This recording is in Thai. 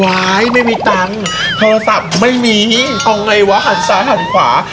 ไม่มีตังค์โทรศัพท์ไม่มีเอาไงวะหันซ้ายหันขวา